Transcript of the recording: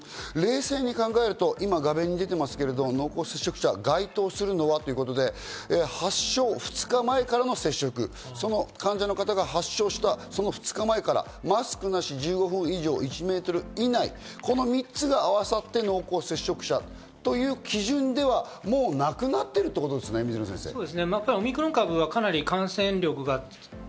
冷静に考えると、今画面に出てますけど、濃厚接触者に該当するのはということで、発症２日前からの接触、患者の方が発症した２日前からマスクなし、１５分以上、１メートル以内、この３つが合わさっての濃厚接触者の判断という基準では、もうなくなっているということですね、水野先生。